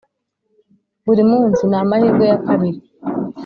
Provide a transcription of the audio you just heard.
buri munsi ni amahirwe ya kabiri.